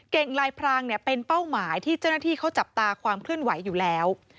ลายพรางเป็นเป้าหมายที่เจ้าหน้าที่เขาจับตาความเคลื่อนไหวอยู่แล้ว